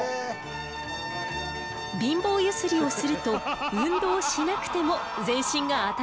貧乏ゆすりをすると運動しなくても全身が温かくなるのよ。